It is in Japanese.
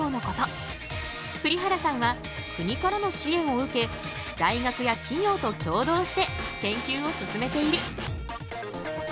栗原さんは国からの支援を受け大学や企業と共同して研究を進めている。